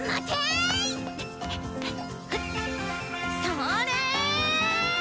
それ！